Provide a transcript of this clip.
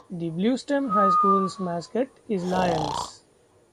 The Bluestem High School mascot is Lions.